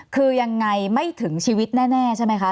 คือยังไงไม่ถึงชีวิตแน่ใช่ไหมคะ